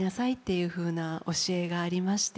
いうふうな教えがありまして。